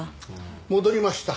戻りました。